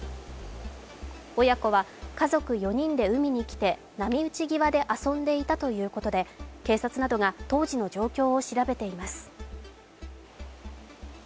親子は家族４人で海に来て波打ち際で遊んでいたということで警察などが当時の状況を調べています。